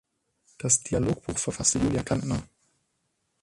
Das Dialogbuch verfasste Julia Kantner.